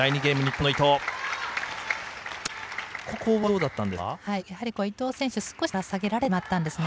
この攻防はどうだったんですか。